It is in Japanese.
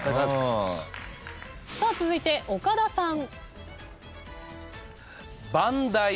続いて岡田さん。